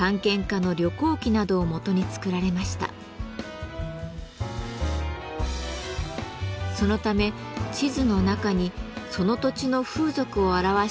そのため地図の中にその土地の風俗を表した絵なども描き込まれています。